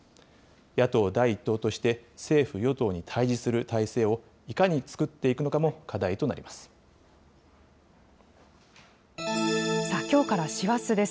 野党第１党として政府・与党に対じする態勢をいかに作っていくのさあ、きょうから師走です。